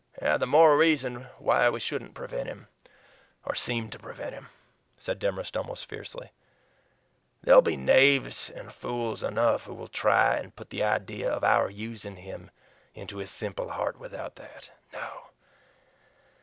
"The more reason why we shouldn't prevent him, or seem to prevent him," said Demorest almost fiercely. "There will be knaves and fools enough who will try and put the idea of our using him into his simple heart without that. No!